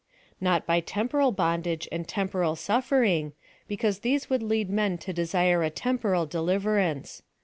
Not by temporal bondage and temporal sulFering, bccairse these would lead men to desire a temporal dtilivcrance.